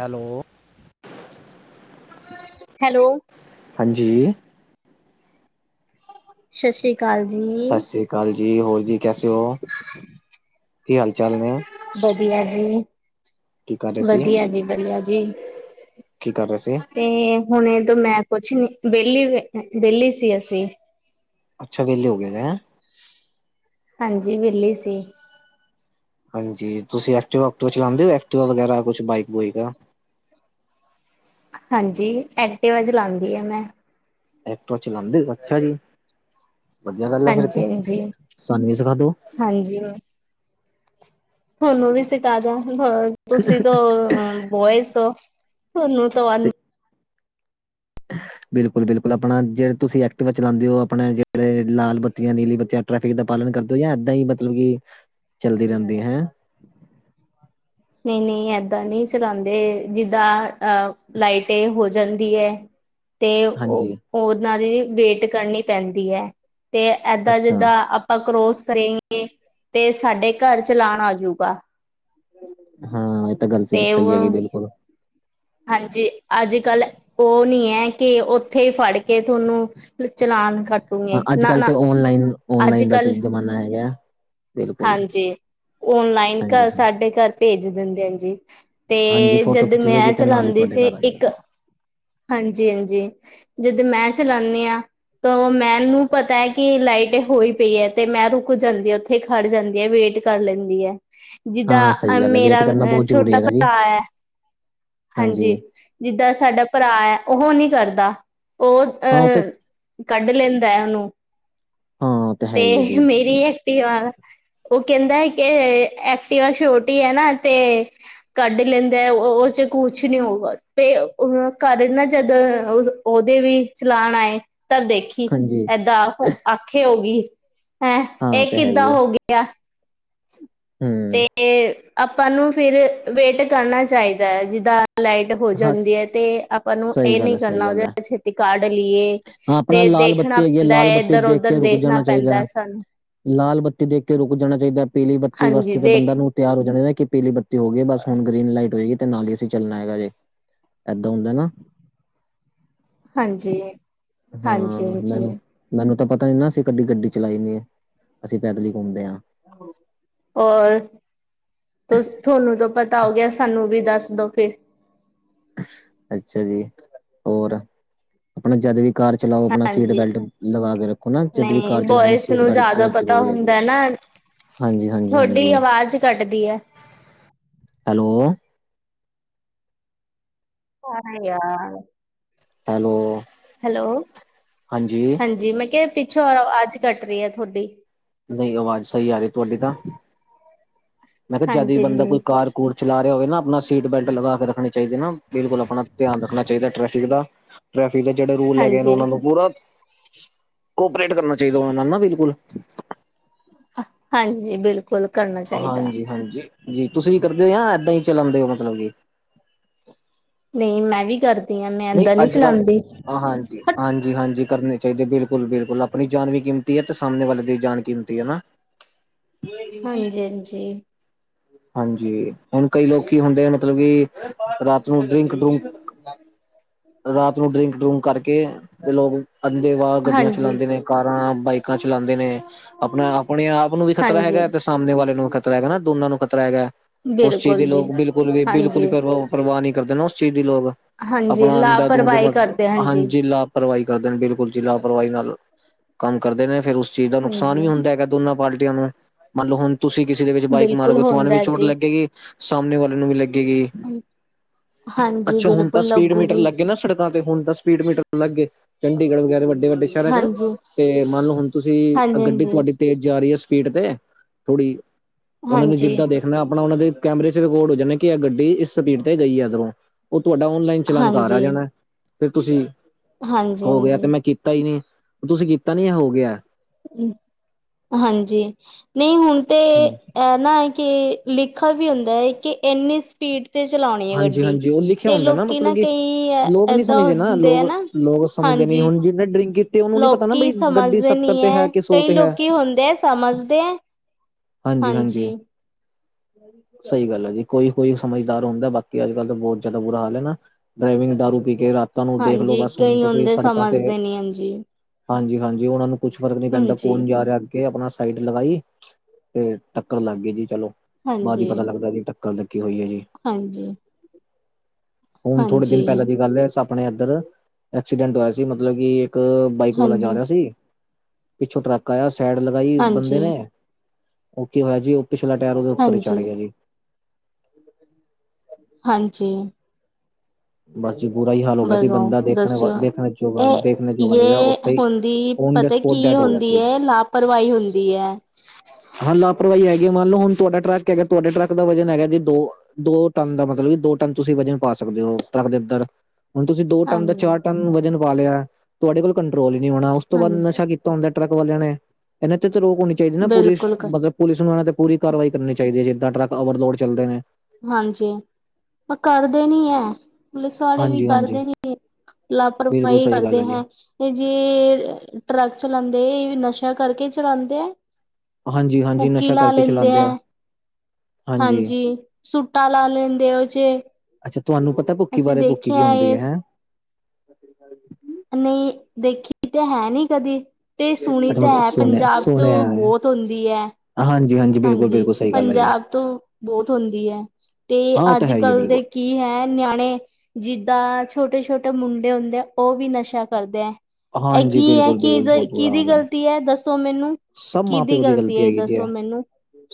Hello hello ਹਾਂਜੀ ਸਾਛੀ ਕਾਲ ਜੀ। ਸਛੀ ਕਾਲ ਜੀ ਹੋਰ ਜੀ ਕੈਸੇ ਓਂ ਕੀ ਹਾਲ-ਚਾਲ ਨੇ? ਵਧੀਆ ਜੀ, ਕੀ ਕਰ ਰਹੇ ਸੀ ਵਧੀਆ ਜੀ ਵਧੀਆ ਜੀ। ਕੀ ਕਰ ਰਏ ਸੀ? ਤੇ ਹੁਣ ਦੋਂ ਮੈਂ ਕੁਛ ਨ ਵੇਲੀ ਵੇਲੀ ਸੀ ਅਸੀਂ। ਅੱਛਾ ਵੇਲੀ ਹੋ ਗਏਂ ਹੈਂ? ਹਾਂਜੀ ਵੇਲੇ ਸੀ। ਹਾਂਜੀ ਤੁਸੀਂ ਐਕਵਾ ਐਕਟੁਆ ਚਲਾਂਦੇ ਐਕਟਵਾ ਵਗੈਰਾ ਕੁਛ ਬਾਈਕ ਬੂਈਕ? ਹਾਂਜੀ ਐਕਟੀਵਾ ਚਲਾਦੀ ਆ ਮੈ। ਐਕਟਵਾ ਚਲਾ ਦੇਓ ਬਛਾ ਜੀ। ਵਦੀਆ ਗੱਲ ਐ ਫੇਰ ਤੇ ਹਾਂਜੀ ਹਾਂਜੀ। ਸਾਨੂੰ ਵੀ ਸੀਖਾਦੋ। ਹਾਂਜੀ ਧੁਨੂੰ ਵੀ ਸੀਖਾ ਦ ਆ ਤੁਸੀਂ ਤਾਂ ਬੋਈਸ ਓ ਧੁਨੂੰ ਤਾਂ ਬੇਲਕੁਲ-ਬੇਲਕੁਲ ਆਪਣਾ ਜੇੜੇ ਤੁਸੀਂ ਐਕਟਵਾ ਚਲਾਦੇ ਓ ਅਪਨੇ ਜੇੜੇ ਲਾਲ ਬੱਤੀਆਂ ਨੀਲੀ ਬੱਤੀਆ ਟੈਫਿਕ ਦਾ ਪਾਲਣ ਕਰਦੇ ਓ ਜਾਂ ਏਦਾਂ ਈ ਮਤਲੇ ਕੀ, ਚੱਲਦੀ ਰੈਂਦੀ ਐ, ਹੈਂ? ਨਈ-ਨਈ ਐਦਾਂ ਨੀ ਚਲਾਦੇ ਜੀਦਾ ਅ ਲਾਈਟ ਏ ਹੋ ਜਾਂਦੀ ਐ [inaudible] ਤੇ ਓ ਹਾਂਜੀ ਓਨਾਂ ਦੀ ਵੇਟ ਕਰਨੀ ਪੈਂਦੀ ਐ ਤੇ ਐਦਾਂ ਅੱਛਾ ਜੀਦਾਂ ਆ ਆ ਕਰੋਸ ਕਰੇਗੇ ਤੇ ਸਾਡੇ ਘਰ ਚਲਾਨ ਆਜੂਗਾ। ਹਾਂ ਏ ਤਾਂ ਗੱਲ ਤੇਰੀ ਤੇ ਸਈ ਹੈਗੀ ਉਹ ਬੇਲਕੁਲ। ਹਾਂਜੀ ਅੱਜ-ਕੱਲ ਓ ਨੀ ਐ ਕੇ ਓਥੇ ਈ ਫੜ ਕੇ ਧੋਨੂੰ, ਨ ਚਲਾਣ ਹਾਂ ਅੱਜ-ਕੱਲ ਤੇ ਓਨਲਾਈਨ, ਅੱਜ ਓਨਲਾਈਨ ਦਾ ਕੱਲ ਜ਼ਮਾਨਾ ਹੈਗਾ ਆ। ਹਾਂਜੀ ਓਨਲਾਈਨ ਹਾਂਜੀ ਘਰ ਹਾਂ ਸਾਡੇ ਘਰ ਭੇਜ ਦਿੰਦੇ ਆ ਜੀ। ਤੇ ਹਾਂਜੀ ਫੋਟੋ ਜਦ ਖਿੱਚੀ ਮੈਂ ਜਾਏਗੀ ਤੇ ਨਾਲ ਹੀ ਚਲਾਂਦੀ ਤੁਹਾਡੇ ਸੀ ਘਰ ਆ ਜਾਏਗਾ ਇਕ, ਹਾਂਜੀ-ਹਾਂਜੀ। ਜਦ ਮੈਂ ਚਲਾਂਦੀ ਆਂ ਤੋ ਮੈਨੂੰ ਪਤਾ ਐ ਕੀ ਲਾਈਟ ਹੋਈ ਪਈ ਏ ਤੇ ਮੈਂ ਰੁਕ ਜਾਂਦੀ ਓਥੇ ਏਥੇ ਖੜ ਜਾਂਦੀ ਐ ਵੇਟ ਕਰ ਲੈਂਦੀ ਐ। ਹਾਂ ਜਿਦਾਂ ਹਾਂ ਸਹੀ ਅ ਗੱਲ ਹੈ ਵੇਟ ਮੇਰਾ ਕਰਨਾ ਅ ਬਹੁਤ ਜ਼ਰੂਰੀ ਛੋਟਾ ਹੈਗਾ ਜੀ ਭਰਾ ਐ। ਹਾਂਜੀ ਜਿੱਦਾਂ ਸਾਡਾ ਭਰਾ ਐ ਓਹੋ ਨੀ ਕਰਦਾ ਓ ਹਾਂ ਉਹ ਤੇ ਅਹ ਕੱਢ ਲੈਂਦਾ ਓਨੂੰ, ਹਾਂ ਉਹ ਹੈ ਹੀ ਹੈ ਤੇ ਜੀ ਮੇਰੀ ਐਕਟੀਵਾ ਓ ਕੈਂਦਾ ਐ ਕੇ ਐਕਟਿਵਾ ਛੋਟੀ ਐ ਨਾ ਤੇ ਕੱਢ ਲੈਂਦਾ ਅ ਓ-ਓ ਚ ਕੁਛ ਨੀ ਹੋਊਗਾ ਤੇ ਓ ਕਾਰਨ ਨਾ ਜਦ ਓਦੇ ਵੀ ਚਲਾਨ ਆਏ। ਤਰ ਦੇਖੀ ਹਾਂਜੀ ਏਦਾਂ ਆਖੇ ਹੋਗੀ, ਹੈਂ ਹਾਂ ਏ ਉਹ ਤੇ ਹੈ ਕਿੱਦਾਂ ਹੀ ਹੈ ਹੋ ਗੇ ਗੇਆ ਹਮ ਤੇ ਤੇ ਆਪਾਂ ਨੂੰ ਫਿਰ ਵੇਟ ਕਰਨਾ ਚਾਈਦਾ ਐ ਜਿੱਦਾਂ ਲਾਈਟ ਹੋ ਹਾਂ ਜਾਂਦੀ ਐ ਤੇ ਆਪਾਂ ਨੂੰ ਸਹੀ ਏ ਗੱਲ ਨਈ ਹੈ ਸਹੀ ਕਰਨਾ ਗੱਲ ਹੈ ਹੁੰਦਾ ਛੇਤੀ ਕਾਢ ਲੀਏ। ਹਾਂ ਆਪਨਾ ਲਾਲ ਬੱਤੀ ਹੈਗੀ ਏ ਲਾਲ ਬੱਤੀ ਦੇਖ ਕੇ ਉਧਰ ਰੁਕ ਦੇਖਣਾ ਜਾਨਾ ਚਾਈਦਾ ਐ। ਪੈਂਦਾ ਸਾਨੂੰ ਲਾਲ ਬੱਤੀ ਦੇਖ ਕੇ ਰੁਕ ਜਾਨਾ ਚਾਈਦਾ ਪੀਲੀ ਬੱਤੀ ਹਾਂਜੀ ਵਾਸਤੇ ਤਾਂ ਦੇਖ ਬੰਦਾ ਨੂੰ ਤਿਆਰ ਹੋ ਜਾਨਾ ਚਾਈਦਾ ਕੇ ਪੀਲੀ ਬੱਤੀ ਹੋਗੀ ਐ ਬਸ ਹੁਨ ਗ੍ਰੀਨ ਲਾਈਟ ਹੋਏਗੀ ਤੇ ਨਾਲ ਈ ਅਸੀਂ ਚੱਲਨਾ ਹੈਗਾ ਜੇ ਏਦਾਂ ਹੁੰਦਾ ਨਾ, ਹਾਂਜੀ ਹਾਂ ਹਾਂਜੀ-ਹਾਂਜੀ ਮੈਨੂੰ ਮੈਨੂੰ ਤਾਂ ਪਤਾ ਨੀ ਨਾ ਅਸੀਂ ਕੱਡੀ ਗੱਡੀ ਚਲਾਈ ਨੀ ਐ ਅਸੀਂ ਪੈਦਲ ਈ ਘੁੰਮਦੇ ਆਂ। ਹੋਰ, ਤੁ ਥੋਨੂੰ ਤਾਂ ਪਤਾ ਹੋ ਗੇਆ ਸਾਨੂੰ ਵੀ ਦੱਸ ਦੋ ਫਿਰ। ਅੱਛਾ ਜੀ, ਹੋਰ ਆਪਨਾ ਜਦ ਵੀ ਕਾਰ ਚਲਾਓ ਆਪਨਾ ਸੀਟ ਹਾਂਜੀ ਬੈਲਟ ਲਗਾ ਕੇ ਰੱਖੋ ਨਾ, ਜਦ ਵੀ ਨਹੀਂ ਕਾਰ ਚਲਾਨੀ ਆ ਬੋਇਸ ਸੀਟ ਨੂੰ ਬੈਲਟ ਜ਼ਿਆਦਾ ਬੋਤ ਪਤਾ ਜ਼ਰੂਰੀ ਹੈਗੀ ਆ। ਹੁੰਦਾ ਨਾ ਤੁਹਾਡੀ ਹਾਂਜੀ-ਹਾਂਜੀ-ਹਾਂਜੀ। ਆਵਾਜ਼ ਕੱਟਦੀ ਹੈ। ਹੈਲੋ ਕੋਨ ਐ ਯਾਰ ਹੈਲੋ ਹੈਲੋ, ਹਾਂਜੀ ਮੈਂ ਕਿਆ ਫਿ ਛੋਰਾ, ਵਾਜ ਕੱਟ ਰਈ ਐ ਥੋਡੀ। ਨਈਂ ਆਵਾਜ਼ ਸਈ ਆ ਰਈ ਤੁਆਡੀ ਤਾਂ। ਮੈਂ ਕਿਆ ਜਦ ਵੀ ਬੰਦਾ ਹਾਂਜੀ-ਹਾਂਜੀ ਕੋਈ ਕਾਰ ਕੂਰ ਚਲਾ ਰਿਆ ਹੋਵੇ ਨਾ ਆਪਨਾ ਸੀਟ ਬੈਲਟ ਲਗਾ ਕੇ ਰੱਖਨੀ ਚਾਈਦੀ ਨਾ, ਬਿਲਕੁਲ ਆਪਨਾ ਧਿਆਨ ਰੱਖਨਾ ਚਾਈਦਾ ਟ੍ਰੈਫਿਕ ਦਾ। ਟ੍ਰੈਫਿਕ ਦੇ ਜੇੜੇ ਰੂਲ ਹੈਗੇ ਨੇ ਓਨਾਂ ਹਾਂਜੀ ਨੂੰ ਪੂਰਾ ਕੋਪਰੇਟ ਕਰਨਾ ਚਾਈਦਾ ਓਨਾਂ ਨੂੰ ਨਾ ਬਿਲਕੁਲ। ਹਾਂਜੀ ਬਿਲਕੁਲ ਕਰਨਾ ਚਾਈਦਾ। ਹਾਂਜੀ ਹਾਂਜੀ। ਜੀ ਤੁਸੀਂ ਵੀ ਕਰਦੇ ਓਂ ਜਾਂ ਏਦਾਂ ਈ ਚਲਾਂਦੇ ਓਂ ਮਤਲਬ ਕੀ। ਨਈਂ ਮੈਂ ਵੀ ਕਰਦੀ ਆਂ, ਮੈਂ ਏਦਾਂ ਨੀ ਚਲਾਂਦੀ। ਹਾਂਜੀ-ਹਾਂਜੀ ਕਰਨੇ ਚਾਈਦੇ ਬਿਲਕੁਲ-ਬਿਲਕੁਲ ਆਪਨੀ ਜਾਨ ਵੀ ਕੀਮਤੀ ਐ ਤੇ ਸਾਮਣੇ ਵਾਲੇ ਦੀ ਜਾਨ ਕੀਮਤੀ ਐ ਨਾ। ਹਾਂਜੀ-ਹਾਂਜੀ। ਹਾਂਜੀ, ਹੁਨ ਕਈ ਲੋਕੀ ਹੁੰਦੇ ਆ ਮਤਲਬ ਕੀ ਰਾਤ ਨੂੰ ਡਰਿੰਕ- ਡਰੂੰਕ ਰਾਤ ਨੂੰ ਡਰਿੰਕ-ਡਰੂੰਕ ਕਰਕੇ ਤੇ ਲੋਕ ਅੰਨੇਵਾਅ ਗੱਡੀਆਂ ਚਲਾਂਦੇ ਹਾਂਜੀ-ਹਾਂਜੀ ਨੇ, ਕਾਰਾਂ ਬਾਈਕਾਂ ਚਲਾਂਦੇ ਨੇ। ਆਪਨਾ ਆਪਨੇ ਆਪ ਨੂੰ ਵੀ ਖ਼ਤਰਾ ਹੈਗਾ ਤੇ ਸਾਮਣੇ ਵਾਲੇ ਨੂੰ ਵੀ ਖ਼ਤਰਾ ਹੈਗਾ ਨਾ ਦੋਨਾਂ ਨੂੰ ਖ਼ਤਰਾ ਹੈਗਾ। ਉਸ ਚੀਜ਼ ਦੀ ਬਿਲਕੁਲ ਲੋਕ ਜੀ ਬਿਲਕੁਲ ਵੀ ਬਿਲਕੁਲ ਹਾਂਜੀ ਪਰਵਾਹ ਨੀ ਕਰਦੇ ਨਾ ਓਸ ਚੀਜ਼ ਦੀ ਲੋਗ। ਹਾਂਜੀ ਹੁਨ ਆਂਦਾ ਦੂੰਦ ਲਾਪਰਵਾਹੀ ਮਤਲਬ ਕਰਦੇ ਹਾਂਜੀ ਲਾ ਲਾਪਰਵਾਈ ਕਰਦੇ ਨੇ ਬਿਲਕੁਲ ਜੀ ਲਾਪਰਵਾਈ ਨਾਲ ਕੰਮ ਕਰਦੇ ਨੇ ਫਿਰ ਉਸ ਚੀਜ਼ ਦਾ ਨੁਕਸਾਨ ਵੀ ਹਾਂਜੀ ਹੁੰਦਾ ਹੈਗਾ ਦੋਨਾਂ ਪਾਲਟੀਆਂ ਨੂੰ। ਮੰਨਲੋ ਹੁਨ ਤੁਸੀਂ ਕਿਸੇ ਦੇ ਵਿੱਚ ਬਾਈਕ ਬਿਲਕੁਲ ਮਾਰੋਗੇ ਤਆਨੂੰ ਵੀ ਹੁੰਦਾ ਚੋਟ ਜੀ ਲੱਗੇਗੀ। ਸਾਮਣੇ ਵਾਲੇ ਨੂੰ ਵੀ ਲੱਗੇਗੀ। ਹਾਂਜੀ ਅੱਛਾ ਹੁਣ ਬਿਲਕੁਲ ਤਾਂ ਲ ਸਪੀਡ ਮੀਟਰ ਲੱਗੇਏ ਨਾ ਸੜਕਾਂ ਤੇ ਹੁਣ ਤਾਂ ਸਪੀ ਮੀਟਰ ਲੱਗਗੇ, ਚੰਡੀਗੜ੍ਹ ਵਗੈਰਾ ਵੱਡੇ-ਵੱਡੇ ਸ ਚਲਾ ਜਾਉ, ਹਾਂਜੀ ਤੇ ਮੰਨ ਲੋ ਹੁਣ ਤੁਸੀਂ ਹਾਂਜੀ ਗੱਡੀ ਤੁਹਾਡੀ ਤੇਜ਼ ਜਾ ਰਹੀ ਅੇ ਸਪੀਡ ਤੇ, ਥੋੜ੍ਹੀ, ਉਹਨਾਂ ਨੂੰ ਹਾਂਜੀ ਹਾਂਜੀ ਜਿੱਦਾਂ ਦੇਖ ਮੈ, ਆਪਣਾ ਉਹ ਦੇ ਕੈਮਰੇ ਚ' ਰਿਕਾਰਡ ਹੋ ਜਾਣੇ ਕਿ, ਇਹ ਗੱਡੀ ਇਸ ਸਪੀਡ ਤੇ ਗਈ ਇੱਧਰੋਂ ਉਹ ਤੁਹਾਡਾ ਔਨਲਾਈਨ ਚਲਾਣ ਘਰ ਆ ਹਾਂਜੀ ਜਾਣਾ, ਫਿਰ ਤੁਸੀਂ ਕਉਗੇ ਅੇ ਹਾਂਜੀ ਤੇ ਮੈਂ ਕੀਤਾ ਈ ਨਹੀ। ਤੁਸੀਂ ਕੀਤਾ ਨੀ ਇਹ ਹੋ ਗਿਆ ਅੇ। ਹਾਂਜੀ। ਨਹੀਂ ਹੁਣ ਤੇ ਹੂੰ, ਇਹਨਾ ਐ ਕਿ ਲਿਖਾ ਵੀ ਹੁੰਦਾ ਅੇ ਕਿ ਇੰਨੀ ਸ ਸਪੀਡ ਤੇ ਚਲਾਉਣੀ ਅੇ ਹਾਂਜੀ ਗੱਡੀ, ਹਾਂਜੀ ਉਹ ਲਿਖਿਆ ਤੇ ਹੁੰਦਾ ਲੋਕੀ ਮਤਲਬ ਨਾ ਕਿ ਕਈ, ਲੋਕ ਨੀ ਏਦਾਂ ਸਮਝਦੇ ਨਾ ਹੁੰਦੇ ਆ ਲੋਕ ਨਾ ਲੋਕ ਸਮਝਦੇ ਨੀ, ਹਾਂਜੀ ਹੁਣ ਜਿਹੇ ਡਰਿੰਕ ਕੀ ਤੀ ਉਹਨੂੰ ਨੀ ਪਤਾ ਨਾ ਲੋਕੀ ਬਈ, ਗੱਡੀ ਸਮਝਦੇ ਸੱਤਰ ਨੀ ਤੇ ਹੈ ਕਿ ਸੌ ਕਈ ਤੇ ਹੈ। ਲੋਕੀ ਹੁੰਦੇ ਆ ਸਮਝਦੇ ਹੈ ਹਾਂਜੀ-ਹਾਂਜੀ, ਹਾਂਜੀ ਸਹੀ ਗੱਲ ਅੇ ਜੀ ਕੋਈ-ਕੋਈ ਸਮਝਦਾਰ ਹੁੰਦਾ ਬਾਕੀ ਬਾਕੀ ਅੱਜ-ਕੱਲ ਤਾਂ ਬਹੁਤ ਜ਼ਿਆਦਾ ਬੁਰਾ ਹਾਲ ਹੈ ਨਾ, ਡਰਾਈਵਿੰਗ ਦਾਰੂ ਪੀ ਕੇ ਰਾ ਤੁਹਾਨੂੰ, ਦੇਖ ਲਓ ਹਾਂਜੀ ਬਸ ਹੁਣ ਕਈ ਤੁਸੀਂ ਹੁੰਦੇ ਸੜਕਾਂ ਤੇ ਸਮਝਦੇ ਨੀ ਹਾਂਜੀ ਹਾਂਜੀ- ਹਾਂਜੀ ਉਹ, ਨਾਂ ਨੂੰ ਕੁੱਛ ਫਰਕ ਨੀ ਪੈਂਦਾ ਹਾਂਜੀ ਕੌਣ ਜਾ ਰਿਹਾ ਅੱਗੇ ਆਪਣਾ। ਸਾਈਡ ਲਗਾਈ ਤੇ, ਟੱਕਰ ਲੱਗ ਗਈ ਜੀ ਚਲੋ, ਬਾਅਦ ਹੀ ਹਾਂਜੀ ਪਤਾ ਲੱਗਦਾ ਜੀ। ਗੱਲ ਤ ਕੀ ਹੋਈ ਹੈ ਜੀ। ਹਾਂਜੀ। ਹੁਣ ਥੋੜੇ ਹਾਂਜੀ ਦਿਨ ਪਹਿਲਾਂ ਦੀ ਗੱਲ ਹੈ ਆਪਣੇ ਇੱਧਰ, ਐਕਸੀਡੈਂਟ ਹੋਇਆ ਸੀ ਮਤਲਬ ਕਿ ਇੱਕ ਬਾਈਕ ਵਾਲਾ ਜਾ ਹਾਂਜੀ ਰਿਹਾ ਸੀ, ਪਿੱਛੋਂ ਟਰੱਕ ਆਇਆ ਸੈਡ ਲਗਾਈ ਹਾਂਜੀ ਬੰਦੇ ਨੇ। ਉਹਓ ਕੀ ਹੋਇਆ ਜੀ ਉਹ ਪਿਛਲਾ ਟਾਇਰ ਉਹਦੇ ਉੱਪਰ ਹੀ ਚੜ ਹਾਂਜੀ ਗਿਆ ਜੀ। ਹਾਂਜੀ। ਬਸ ਜੀ ਬੁਰਾ ਹੀ ਹਾਲ ਹੋ ਗਿਆ ਸੀ ਬਗਾਓ ਬੰਦਾ ਦੇਖਣ ਵ ਦੱਸਿਓ ਦੇਖਣ ਯਗਾ ਇਹ ਦੇਖਣੇ ਯੋ ਯੇ ਉੱਥੇ ਹੀ। ਹੁੰਦੀ ਓਨ ਦਾ ਪਤਾ ਸਪੋਟ ਕੀ ਡੈਡ ਹੋ ਗਿਆ ਹੁੰਦੀ ਸੀ। ਹੈ ਲਾਪਰਵਾਹੀ ਹੁੰਦੀ ਹੈ ਹਾਂ ਲਾਪਰਵਾਹੀ ਹੈਗੀ ਹੈ ਮੰਨ ਲਓ ਹੁਣ, ਤੁਹਾਡਾ ਟਰੱਕ ਹੈਗਾ ਤੁਹਾਡੇ ਟਰੱਕ ਦਾ ਵਜਨ ਹੈਗਾ ਜੀ ਦੋ ਦੋ ਟਨ ਦਾ ਮਤਲਬ ਕਿ ਦੋ ਟਨ ਤੁਸੀਂ ਵਜਨ ਪਾ ਸਕਦੇ ਹੋ। ਰੱਖ ਇਧਰ, ਹੁਣ ਤੁਸੀਂ ਦੋ ਟਨ ਦਾ ਹਾਂਜੀ ਚਾਰ ਟਨ, ਵਜਨ ਪਾ ਲਿਆ ਤੁਹਾਡੇ ਕੋਲ ਕੰਟਰੋਲ ਹੀ ਨਹੀਂ ਹੋਣਾ। ਉਸ ਤੋਂ ਬਾਅਦ ਹਾਂਜੀ ਨਸ਼ਾ ਕੀਤਾ ਹੁੰਦਾ ਟਰੱਕ ਵਾਲਿਆਂ ਨੇ, ਇਹਨਾਂ ਤੇ ਤਾਂ ਰੋਕ ਹੋਣੀ ਚਾਹੀਦੀ ਨਾ ਪੂਰੀ ਬਿਲਕੁਲ ਮਤਲਬ। ਪੁਲਿਸ ਨੂੰ ਇਹਨਾਂ ਤੇ ਪੂਰੀ ਕਾਰਵਾਈ ਕਰਨੀ ਚਾਹੀਦੀ ਹੈ ਜਿੱਦਾਂ ਟਰੱਕ ਅਵਰ ਦੌੜ ਚੱਲਦੇ ਨੇ। ਹਾਂਜੀ। ਮੈਂ ਕਰਦੇ ਨੀ ਹੈ। ਪੁਲਿਸ ਵਾਲੇ ਵੀ ਹਾਂਜੀ ਕਰਦੇ ਹਾਂਜੀ ਨੇ ਬਿਲਕੁਲ ਲਾਪਰਵਾਹੀ ਸਹੀ ਗੱਲ ਕਰਦੇ ਹੈ। ਜੀ ਇਹ ਜੇ, ਟਰੱਕ ਚਲਾਉਂਦੇ ਆ ਨਸ਼ਿਆਂ ਕਰਕੇ ਚਲਾਉਂਦੇ ਆ। ਹਾਂਜੀ ਹਾਂਜੀ ਪੁਕੀ ਨਸ਼ਾ ਲਾ ਕਰਕੇ ਲੈਂਦੇ ਚਲਾਉਂਦੇ ਆ। ਹਾਂਜੀ। ਸੂਟਾ ਲਾ ਲੈਂਦੇ ਹੋ ਜੀ। ਅੱਛਾ ਤੁਹਾਨੂੰ ਪਤਾ ਭੁੱਕੀ ਬਾਰੇ ਭੁੱਕੀ ਕੀ ਹੁੰਦੀ ਇਹ ਹੈਂ। ਨਹੀਂ, ਦੇਖੀ ਤਾਂ ਹੈ ਨੀ ਕਦੇ। ਅਤੇ ਸੁਣੀ ਅੱਛਾ ਤਾਂ ਮਤਲਬ ਹੈ ਸੁਣਿਆ ਪੰਜਾਬ 'ਚ ਸੁਣਿਆ ਹੈ ਬਹੁਤ ਹੁੰਦੀ ਹੈ। ਹਾਂਜੀ ਬਿਲਕੁਲ ਹਾਂਜੀ। ਬਿਲਕੁਲ ਸਹੀ ਗੱਲ ਹੈ ਜੀ ਪੰਜਾਬ ਤੋਂ ਬਹੁਤ ਹੁੰਦੀ ਹੈ। ਤੇ ਹਾਂ ਉਹ ਤਾਂ ਅੱਜ ਹੈ ਹੀ ਹੈ ਕੱਲ੍ਹ ਬਿਲਕੁਲ ਦੇ ਕੀ ਹੈ ਨਿਆਣੇ ਜਿੱਦਾਂ ਛੋਟੇ- ਛੋਟੇ ਮੁੰਡੇ ਹੁੰਦੇ ਆ ਉਹ ਵੀ ਨਸ਼ਾ ਕਰਦੇ ਹੈ। ਇਹ ਹਾਂਜੀ ਕੀ ਹੈ ਬਿਲਕੁਲ ਕਿ ਬਿਲਕੁਲ ਬਹੁਤ ਬੁਰਾ ਕਿਹਦੀ ਹਾਲ ਗ਼ਲਤੀ ਹੈ ਦੱਸੋ ਮੈਨੂੰ। ਸਭ ਮਾਂ ਕਿਹਦੀ ਪਿਓ ਦੀ ਗ਼ਲਤੀ ਹੈ ਇਹ ਹੈਗੀ ਜੀ ਦੱਸੋ ਮੈਨੂੰ।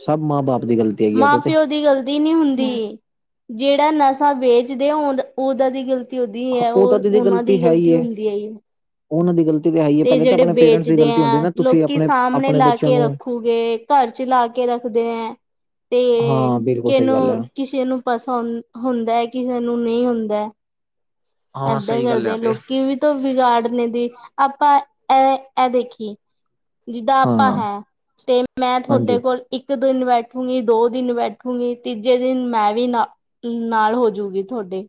ਸਭ ਮਾਂ- ਬਾਪ ਦੀ ਗੱਲਤੀ। ਮਾਂ- ਪਿਓ ਦੀ ਗਲਦੀ ਨਹੀਂ ਹੁੰਦੀ। ਜਿਹੜਾ ਨਸ਼ਾ ਵੇਚਦੇ ਆ ਓਦਾਂ ਦੀ ਗੱਲ ਉਹਦੀ ਹੈ ਉਹ ਓ ਤਾਂ ਦੀਦੀ ਉਮਾ ਦੀ ਹੈ ਗ਼ਲਤੀ ਹੀ ਹੈ ਹੁੰਦੀ ਆਈ ਐ ਉਹਨਾਂ ਦੀ ਗ਼ਲਤੀ ਤਾਂ ਹੈ ਹੀ ਹੈ ਤੇ ਪਹਿਲੇ ਤਾਂ ਜਿਹੜੇ ਆਪਣੇ ਪੇਰੈਂਟਸ ਦੀ ਵੇਚਦੇ ਗ਼ਲਤੀ ਆ ਹੁੰਦੀ ਨਾ ਤੁਸੀਂ ਲੋਕੀ ਆਪਣੇ ਸਾਹਮਣੇ ਆਪਣੇ ਲਾ ਬੱਚਿਆਂ ਕੇ ਨੂੰ ਰੱਖੂਗੇ ਘਰ ਚ ਲਾ ਕੇ ਰੱਖਦੇ ਹੈ ਤੇ ਹਾਂ ਬਿਲਕੁਲ ਸਹੀ ਗੱਲ ਹੈ ਕਿਨੂੰ, ਕਿਸੇ ਨੂੰ ਪਸ ਹੁੰਦਾ ਹੈ ਕਿਸੇ ਨੂੰ ਨਹੀਂ ਹੁੰਦਾ, ਹਾਂ ਇਦਾਂ ਸਹੀ ਗੱਲ ਕਰਦੇ ਆ ਹੈ ਤੇ ਲੋਕੀ ਵੀ ਤਾਂ ਬਗਾੜਨੇ ਦੀ ਆਪਾਂ ਇਹ ਇਹ ਦੇਖੀਏ, ਜਿੱਦਾਂ ਹਾਂ ਆਪਾਂ ਹੈ ਤੇ ਮੈਂ ਤੁਹਾਡੇ ਹਾਂਜੀ ਕੋਲ ਇੱਕ ਦਿਨ ਬੈਠੂੰਗੀ ਦੋ ਦਿਨ ਬੈਠੂਗੀ ਤੀਜੇ ਦਿਨ ਮੈਂ ਵੀ ਨਾ, ਨਾਲ ਹੋ ਜਾਊਗੀ ਤੁਹਾਡੇ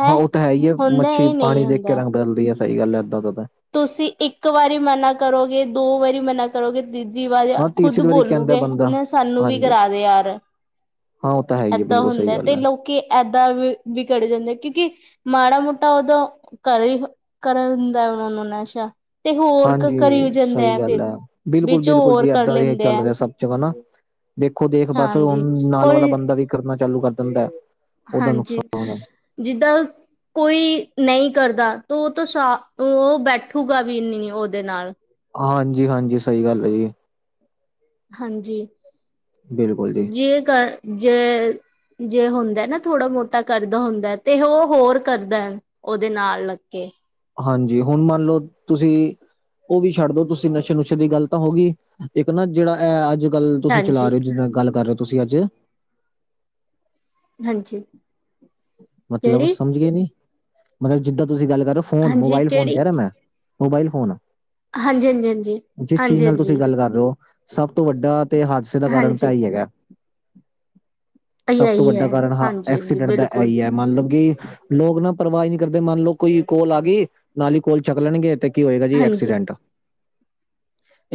ਹੈ। ਓ ਤਾਂ ਹੈ ਹੀ ਹੈ ਮੱਛੀ, ਪਾਣੀ ਦੇਖ ਕੇ ਰੰਗ ਬਦਲਦੀ ਹੈ ਸਹੀ ਗੱਲ ਇਦਾਂ ਤਾਂ ਤੁਸੀਂ ਇੱਕ ਵਾਰੀ ਮਨਾ ਕਰੋਗੇ ਦੋ ਵਾਰੀ ਮਨਾ ਕਰੋਗੇ, ਤੀਜੀ ਵਾਰੀ ਹਾਂ ਖੁੱਦ ਤੀਸਰੀ ਵਾਰੀ ਕਹਿੰਦਾ ਬੋਲੂਗੇ ਬੰਦਾ ਸਾਨੂੰ ਵੀ ਹਾਂਜੀ ਕਰਾ ਦੇ ਯਾਰ, ਹਾਂ ਉਹ ਤਾਂ ਹੈ ਹੀ ਹੈ ਏਦਾਂ ਬਿਲਕੁਲ ਸਹੀ ਹੁੰਦਾ ਗੱਲ ਤੇ ਹੈ ਲੋਕੀ, ਏਦਾਂ ਵੀ ਵਿਗੜ ਜਾਂਦੇ ਕਿਉਂਕਿ ਮਾੜਾ ਮੋਟਾ ਉਦੋਂ, ਕਰੀਬ ਕਰਨ ਦਾ ਉਹਨਾਂ ਨੂੰ ਨਸ਼ਾ, ਤੇ ਹੋਰ ਕਰੀ ਹਾਂਜੀ ਜਾਂਦਾ ਸਹੀ ਗੱਲ ਫਿਰ ਹੈ ਬਿਲਕੁਲ ਵਿੱਚ ਬਿਲਕੁਲ ਜੀ ਹੋਰ ਕਰ ਏਦਾਂ ਲੈਂਦੇ ਚੱਲ ਹੈ ਰਿਹਾ ਸਭ ਜਗ੍ਹਾ ਨਾ, ਦੇਖੋ ਦੇਖ ਬਸ ਹੁਣ ਹਾਂਜੀ ਨਾਲ ਔਰ ਵਾਲਾ ਬੰਦਾ ਵੀ ਕਰਨਾ ਚਾਲੂ ਕਰ ਦਿੰਦਾ ਉਹਦਾ ਹਾਂਜੀ ਨੁਕਸਾਨ ਹੈ ਜਿੱਦਾਂ, ਕੋਈ ਨਹੀਂ ਕਰਦਾ ਤਾਂ ਉਹ ਤੋਂ ਸਾ ਓ ਬੈਠੂਗਾ ਵੀ ਨਹੀਂ ਉਹਦੇ ਨਾਲ ਹਾਂਜੀ ਹਾਂਜੀ ਸਹੀ ਗੱਲ ਹੈ ਜੀ, ਹਾਂਜੀ। ਬਿਲਕੁਲ ਜੀ ਜੇ ਕਰ ਜੇ ਜੇ ਹੁੰਦਾ ਨਾ ਥੋੜਾ ਮੋਟਾ ਕਰਦਾ ਹੁੰਦਾ ਤੇ ਉਹ ਹੋਰ ਕਰਦਾ ਉਹਦੇ ਨਾਲ ਲੱਗੇ ਕੇ। ਹਾਂਜੀ। ਹੁਣ ਮੰਨ ਲਓ ਤੁਸੀਂ ਉਹ ਵੀ ਛੱਡ ਦੋ ਤੁਸੀਂ ਨਸ਼ੇ ਨੁਸ਼ੇ ਦੀ ਗੱਲ ਤਾਂ ਹੋਈ। ਇੱਕ ਨਾ ਜਿਹੜਾ ਇਹ ਅੱਜ ਗੱਲ ਤੁਸੀਂ ਚਲਾ ਹਾਂਜੀ ਰਹੇ ਹੋ ਜਿਹੜਾ ਗੱਲ ਕਰ ਰਹੇ ਹੋ ਤੁਸੀਂ ਅੱਜ ਹਾਂਜੀ। ਮਤਲਬ ਕਿਹੜੀ ਸਮਝ ਗੇ ਨਹੀਂ, ਮਤਲਬ ਜਿੱਦਾਂ ਤੁਸੀਂ ਗੱਲ ਕਰੋ ਫੋਨ ਹਾਂਜੀ ਮੋਬਾਇਲ ਫੋਨ ਕਿਹੜੀ ਕਹਿ ਰਿਹਾ ਮੈਂ ਮੋਬਾਇਲ ਫੋਨ, ਹਾਂਜੀ ਹਾਂਜੀ ਜਿਸ ਚੀਜ਼ ਹਾਂਜੀ ਨਾਲ ਤੁਸੀਂ ਹਾਂਜੀ ਗੱਲ ਕਰ ਰਹੇ ਹੋ। ਸਭ ਤੋਂ ਵੱਡਾ ਤੇ ਹਾਦਸੇ ਦਾ ਕਾਰਨ ਤਾਂ ਹਾਂਜੀ ਹਾਂਜੀ ਹੀ ਹੈਗਾ। ਇਹੀ ਸਭ ਤੋਂ ਇਹੀ ਹੈ ਵੱਡਾ ਕਾਰਨ ਹਾਂ ਹਾਂਜੀ ਹਾਂਜੀ ਐਕਸੀਡੈਂਟ ਦਾ ਐ ਬਿਲਕੁਲ ਹੀ। ਮੰਨਲਓ ਕਿ ਲੋਕ ਨਾ ਪਰਵਾਹ ਨਹੀਂ ਕਰਦੇ, ਮੰਨਲਓ ਕੋਈ ਕੋਲ ਆ ਗਈ ਨਾਲ ਹੀ ਕੋਲ ਚੈੱਕ ਲੈਣਗੇ ਤੇ ਕੀ ਹੋਏਗਾ ਜੀ ਹਾਂਜੀ ਐਕਸੀਡੈਂਟ,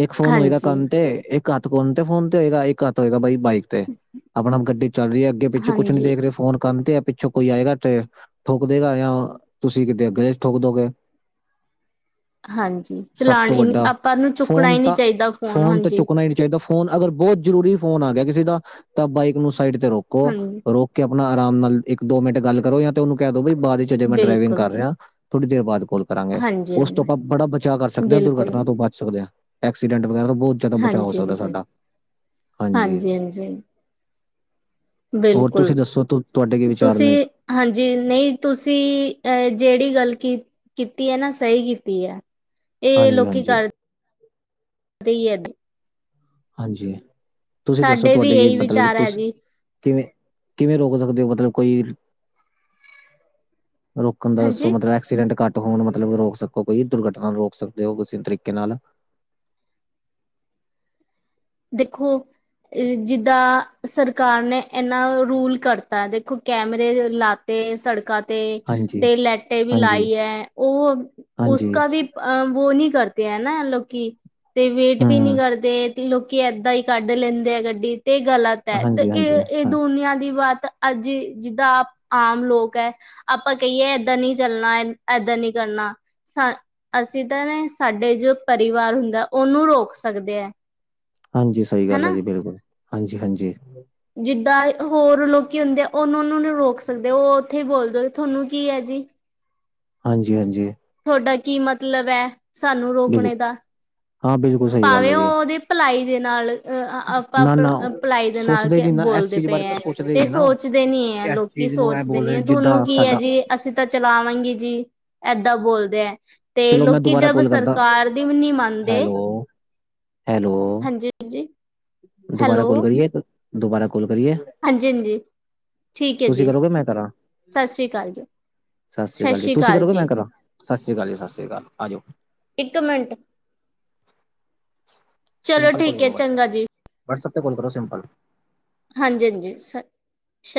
ਇੱਕ ਫੋਨ ਹੋਏਗਾ ਹਾਂਜੀ ਕੰਨ ਤੇ ਇੱ ਇੱਕ ਹੱਥ ਫੋਨ ਤੇ ਫੋਨ ਤੇ ਹੋਏਗਾ ਇਹ ਹੱਥ ਹੋਏਗਾ ਬਾਈ ਬਾਈਕ ਤੇ ਆਪਣੇ ਆਪ ਗੱਡੀ ਚੱਲ ਰਹੀ ਹੈ। ਅੱਗੇ ਪਿੱਛੇ ਕੁਛ ਨੀ ਹਾਂਜੀ ਦੇਖ ਰਹੇ ਫੋਨ ਕਰਨ ਤੇ ਪਿੱਛੋਂ ਕੋਈ ਆਏਗਾ ਤੇ ਠੋਕ ਦੇਗਾ ਜਾਂ ਤੁਸੀਂ ਕਿਤੇ ਗਲੀ ਚ ਠੋਕ ਦੋਗੇ ਹਾਂਜੀ ਸਭ ਚਲਾਣ ਤੋਂ ਹੀ ਵੱਡਾ ਆਪਾਂ ਨੂੰ ਚੁੱਕਣਾ ਫੋਨ ਹੀ ਨਹੀਂ ਤਾਂ ਚਾਹੀਦਾ ਫੋਨ ਤਾਂ ਹਾਂਜੀ ਚੁੱਕਣਾ ਹੀ ਨਹੀਂ ਚਾਹੀਦਾ। ਫੋਨ ਅਗਰ ਬਹੁਤ ਜ਼ਰੂਰੀ ਫੋਨ ਆ ਗਿਆ ਕਿਸੇ ਦਾ ਤਾਂ ਬਾਈਕ ਨੂੰ ਸਾਈਡ ਤੇ ਰੋਕੋ ਹਾਂਜੀ ਰੋ ਕਿ ਆਪਣਾ ਆਰਾਮ ਨਾਲ ਇੱਕ ਦੋ ਮਿੰਟ ਗੱਲ ਕਰੋ, ਜਾਂ ਤੇ ਉਹਨੂੰ ਕਹਿ ਦੋ ਬਾਅਦ ਵਿੱਚ ਮੈਂ ਡਰਾਈਵਿੰਗ ਬਿਲਕੁਲ ਕਰ ਰਿਹਾ। ਥੋੜੀ ਦੇਰ ਬਾਅਦ ਕੋਲ ਕਰਾਂਗੇ, ਹਾਂਜੀ ਉਸ ਤੋਂ ਹਾਂਜੀ ਆਪਾਂ ਬੜਾ ਬਚਾਅ ਕਰ ਸਕਦੇ ਹਾਂ, ਬਿਲਕੁਲ ਦੁਰਘਟਨਾ ਤੋਂ ਬਚ ਸਕਦੇ ਹਾਂ। ਐਕਸੀਡੈਂਟ ਵਗੈਰਾ ਦਾ ਬਹੁਤ ਜ਼ਿਆਦਾ ਬਚਾਅ ਹੋ ਹਾਂਜੀ ਸਕਦਾ ਹਾਂਜੀ ਸਾਡਾ ਹਾਂਜੀ। ਹੋਰ ਤੁਸੀਂ ਬਿਲਕੁਲ ਦੱਸੋ ਤੁਹਾਡੇ ਵਿਚਾਰ ਨੇ ਤੁਸੀਂ ਇਸ ਹਾਂਜੀ। ਨਹੀਂ ਤੁਸੀਂ ਅਹ ਜਿਹੜੀ ਗੱਲ ਕੀ ਕੀਤੀ ਹੈ ਨਾ ਸਹੀ ਕੀਤੀ ਹੈ। ਇਹ ਹਾਂਜੀ ਲੋਕੀ ਹਾਂਜੀ ਕਰਦੇ ਹੀ ਏ ਹਾਂਜੀ। ਤੁਸੀਂ ਦੱਸੋ ਸਾਡੇ ਵੀ ਤੁਹਾਡੇ ਕੀ ਇਹੀ ਮਤਲਬ ਕਿ ਵਿਚਾਰ ਹੈ ਤੁਸ ਜੀ ਕਿਵੇਂ -ਕਿਵੇਂ ਰੋਕ ਸਕਦੇ ਹੋ ਮਤਲਬ ਕੋਈ ਰੋਕਣ ਦਾ ਦੱਸੋ ਹਾਂਜੀ ਮਤਲਬ [inaudible] ਐਕਸੀਡੈਂਟ ਘੱਟ ਹੋਣ ਮਤਲਬ ਰੋਕ ਸਕੋ, ਕੋਈ ਦੁਰਘਟਨਾ ਨੂੰ ਰੋਕ ਸਕਦੇ ਹੋ ਕਿਸੇ ਤਰੀਕੇ ਨਾਲ ਦੇਖੋ। ਜਿੱਦਾਂ ਸਰਕਾਰ ਨੇ ਏਨਾ ਰੂਲ ਕਰਤਾ ਦੇਖੋ ਕੈਮਰੇ ਲਾ ਤੇ ਸੜਕਾਂ ਤੇ ਹਾਂਜੀ, ਤੇ ਲੈਟੇ ਵੀ ਹਾਂਜੀ, ਲਾਈ ਐ ਉਹ ਹਾਂਜੀ, ਉਸਕਾ ਵੀ ਅ ਵੋ ਨੀ ਕਰਦੇ ਹੈ ਨਾ ਲੋਕੀ, ਤੇ ਵੇਟ ਵੀ ਨਹੀਂ ਹੂੰ, ਕਰਦੇ ਲੋਕ ਕੀ ਏਦਾਂ ਹੀ ਕੱਢ ਲੈਂਦੇ ਆ ਗੱਡੀ, ਤੇ ਇਹ ਗਲਤ ਐ, ਤੇ ਹਾਂਜੀ, ਇਹ ਹਾਂਜੀ, ਇਹ ਹਾਂ, ਦੁਨੀਆਂ ਦੀ ਵਾਤ ਅੱਜੇ ਜਿੱਦਾਂ ਆਮ ਲੋਕ ਐ। ਆਪਾਂ ਕਹੀਏ ਏਦਾਂ ਨੀ ਚੱਲਣਾ ਏਦਾਂ ਨਹੀਂ ਕਰਨਾ। ਅਸੀਂ ਤਾਂ ਨਾ ਸਾਡੇ ਜੋ ਪਰਿਵਾਰ ਹੁੰਦਾ ਉਹਨੂੰ ਰੋਕ ਸਕਦੇ ਐ ਹਾਂਜੀ ਸਹੀ ਗੱਲ ਹੈ। ਜੀ ਬਿਲਕੁਲ ਹਾਂਜੀ -ਹਾਂਜੀ। ਜਿੱਦਾਂ ਹੋਰ ਲੋਕ ਹੁੰਦੇ ਆ ਉਹਨੂੰ, ਉਹਨੂੰ ਨ ਰੋਕ ਸਕਦੇ ਉਹ ਉੱਥੇ ਈ ਬੋਲਦੇ ਤੁਹਾਨੂੰ ਕੀ ਐ ਜੀ। ਹਾਂਜੀ -ਹਾਂਜੀ। ਤੁਹਾਡਾ ਕੀ ਮਤਲਬ ਐ ਸਾਨੂੰ ਬਿਲਕੁਲ ਰੋਕਣੇ ਦਾ ਹਾਂ ਬਿਲਕਲ [inaudible] ਭਾਵੇਂ ਉਹ ਉਹਦੀ ਭਲਾਈ ਦੇ ਨਾਲ ਅ ਆਪਾਂ ਨਾ, ਨਾ ਭਲਾਈ ਦੇ ਨਾਲ ਸੋਚਦੇ ਨੀ ਨਾ ਇਸ ਬੋਲਦੇ ਚੀਜ਼ ਪਏ ਬਾਰੇ ਤਾਂ ਐ ਸੋਚਦੇ ਹੀ ਤੇ ਨੀ ਨਾ ਉਹ ਸੋਚਦੇ ਨੀ ਐ ਇਸ ਲੋਕੀ, ਚੀਜ਼ ਨੂੰ ਇਹ ਸੋਚਦੇ ਬੋਲ ਨੀ ਰਹੇ ਐ ਜਿੱਦਾਂ ਤੁਹਾਨੂੰ ਕੀ ਐ ਸਾਡਾ ਜੀ ਅਸੀਂ ਤਾਂ ਚਲਾਵਾਂਗੀ ਜੀ ਏਦਾਂ ਬੋਲਦੇ ਐ। ਤੇ ਚਲੋ ਮੈਂ ਲੋਕੀ ਦੁਬਾਰਾ ਜਬ ਕਾਲ ਕਰਦਾ ਸਰਕਾਰ ਦੀ ਵੀ ਨਹੀਂ ਮੰਨਦੇ ਹੈਲੋ, ਹੈਲੋ। ਹਾਂਜੀ ਹਾਂਜੀ ਦੁਬਾਰਾ ਹੈਲੋ ਕਾਲ ਕਰੀਏ, ਦੁਬਾਰਾ ਕਾਲ ਕਰੀਏ। ਹਾਂਜੀ- ਹਾਂਜੀ। ਠੀਕ ਹੈ ਤੁਸੀਂ ਜੀ ਕਰੋਗੇ ਮੈਂ ਕਰਾਂ, ਸਤਿ ਸ੍ਰੀ ਅਕਾਲ ਜੀ ਸਤਿ ਸ੍ਰੀ ਅਕਾਲ ਜੀ ਤੁਸੀਂ ਕਰੋਗੇ ਮੈਂ ਕਰਾਂ ਸਤਿ ਸ਼੍ਰੀ ਅਕਾਲੀ ਜੀ-ਸਤਿ ਸ਼੍ਰੀ ਅਕਾਲ ਆ ਜਾਓ। ਇੱਕ ਮਿੰਟ [unintelligible] ਚਲੋ ਠੀਕ ਹੈਏ ਚੰਗਾ ਜੀ। ਵਟਸਐਪ ਤੇ ਗਲ ਕਰੋ ਸਿੰਪਲ। ਹਾਂਜੀ ਹਾਂਜੀ ਸ